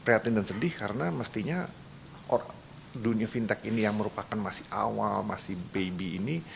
prihatin dan sedih karena mestinya dunia fintech ini yang merupakan masih awal masih baby ini